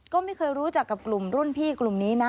ก็ไม่เคยรู้จักกับกลุ่มรุ่นพี่กลุ่มนี้นะ